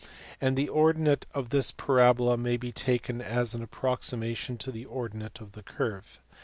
and the ordinate of this parabola may be taken as an approximation to the ordinate of the curve.